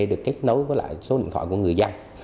được kết nối với lại số điện thoại của người dân